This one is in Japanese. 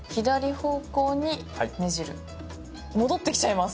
戻ってきちゃいます。